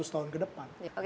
seratus tahun ke depan